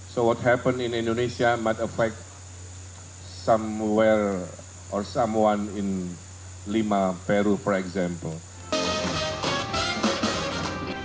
jadi apa yang terjadi di indonesia mungkin akan menyebabkan sesuatu di lima peru misalnya